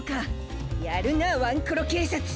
やるなワンコロけいさつ！